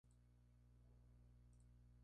Se graduó de White Station High School en Memphis.